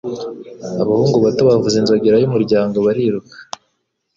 Abahungu bato bavuza inzogera y'umuryango bariruka.